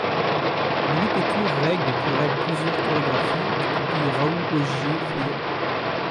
Louis Pécour règle pour elle plusieurs chorégraphies que publie Raoul-Auger Feuillet.